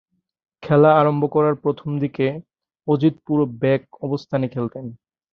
খেলা আরম্ভ করার প্রথম দিকে, অজিত পুরো ব্যাক অবস্থানে খেলতেন।